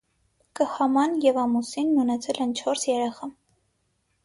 Կհաման և ամուսինն ունեցել են չորս երեխա։